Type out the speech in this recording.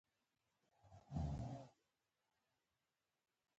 مچمچۍ د ګردې ویشلو سره بوټي حاصل ورکوي